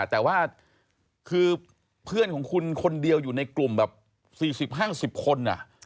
แต่ว่าคือเพื่อนของคุณคนเดียวอยู่ในกลุ่มแบบ๔๐๕๐คน